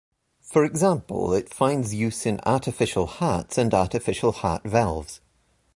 For example, it finds use in artificial hearts and artificial heart valves.